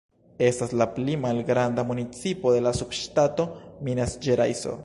Estas la pli malgranda municipo de la subŝtato Minas-Ĝerajso.